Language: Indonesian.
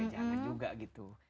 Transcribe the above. ya jangan juga gitu